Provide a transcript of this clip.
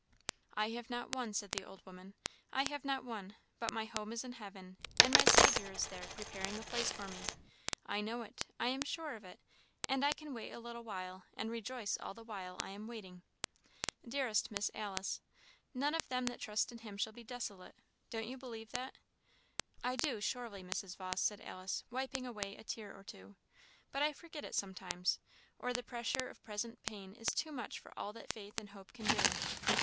"I have not one," said the old woman, "I have not one; but my home is in heaven, and my Saviour is there, preparing a place for me. I know it I am sure of it and I can wait a little while, and rejoice all the while I am waiting. Dearest Miss Alice 'none of them that trust in him shall be desolate;' don't you believe that?" "I do, surely, Mrs. Vawse," said Alice, wiping away a tear or two; "but I forget it sometimes; or the pressure of present pain is too much for all that faith and hope can do."